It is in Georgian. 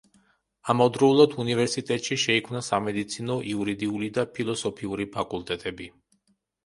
ამავდროულად უნივერსიტეტში შეიქმნა სამედიცინო, იურიდიული და ფილოსოფიური ფაკულტეტები.